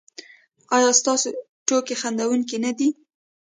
ایا ستاسو ټوکې خندونکې نه دي؟